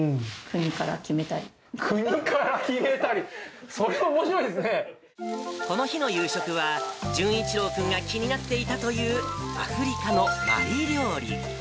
国から決めたり、それはおもこの日の夕食は、淳一郎君が気になっていたというアフリカのマリ料理。